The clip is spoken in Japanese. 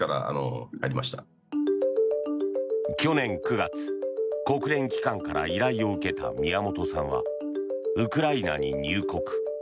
去年９月、国連機関から依頼を受けた宮本さんはウクライナに入国。